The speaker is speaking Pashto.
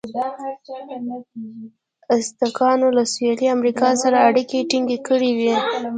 ازتکانو له سویلي امریکا سره اړیکې ټینګې کړې وې.